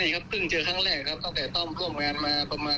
ไม่ครับเพิ่งเจอครั้งแรกตั้งแต่ต้องควบคุมกันมาประมาณ